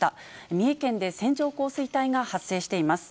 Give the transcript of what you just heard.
三重県で線状降水帯が発生しています。